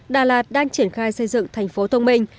đà lạt đang triển khai xây dựng thành phố thông minh